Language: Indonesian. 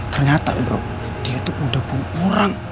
ternyata bro dia tuh udah pun kurang